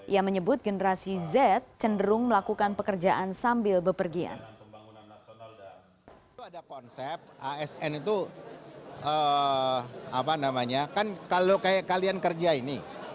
ia menyebut generasi z cenderung melakukan pekerjaan sambil bepergian